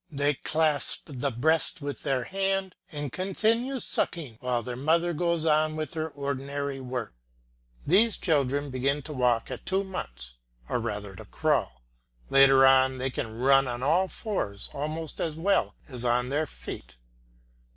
They clasp the breast with their hand and continue sucking while their mother goes on with her ordinary work. These children begin to walk at two months, or rather to crawl. Later on they can run on all fours almost as well as on their feet.